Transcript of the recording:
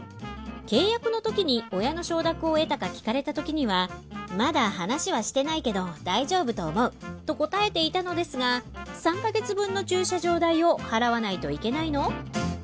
契約の時に親の承諾を得たか聞かれた時には「まだ話はしてないけど大丈夫と思う」と答えていたのですが３か月分の駐車場代を払わないといけないの？